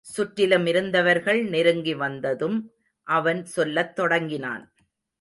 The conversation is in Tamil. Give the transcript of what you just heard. சுற்றிலும் இருந்தவர்கள் நெருங்கி வந்ததும் அவன் சொல்லத் தொடங்கினான்.